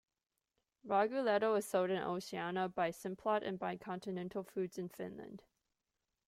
Raguletto is sold in Oceania by Simplot and by Continental Foods in Finland.